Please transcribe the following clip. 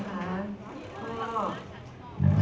สวัสดีใจของฉันตลอดมาก